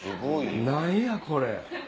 何やこれ！